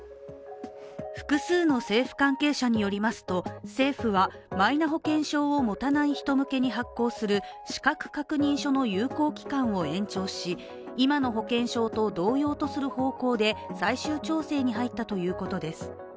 複数の政府関係者によりますと政府はマイナ保険証を持たない人向けに発行する資格確認書の有効期間を延長し、今の保険証と同様とする方向で最終調整に入ったということです。